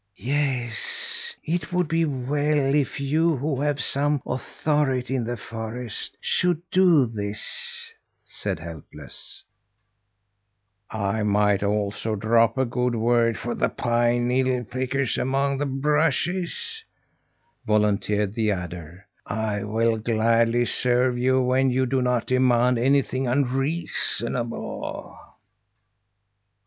"Yes, it would be well if you who have some authority in the forest should do this," said Helpless. "I might also drop a good word for the pine needle pickers among the thrushes?" volunteered the adder. "I will gladly serve you when you do not demand anything unreasonable."